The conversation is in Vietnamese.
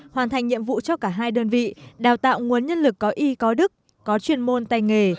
hoàn thành nhiệm vụ cho cả hai đơn vị đào tạo nguồn nhân lực có y có đức có chuyên môn tay nghề